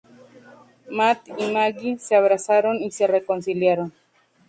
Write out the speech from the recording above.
Matt y Maggie se abrazaron y se reconciliaron.